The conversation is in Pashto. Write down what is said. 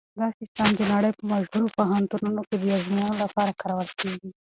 دا سیسټم د نړۍ په مشهورو پوهنتونونو کې د ازموینو لپاره کارول کیږي.